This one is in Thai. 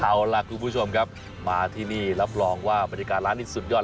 เอาล่ะคุณผู้ชมครับมาที่นี่รับรองว่าบรรยากาศร้านนี้สุดยอด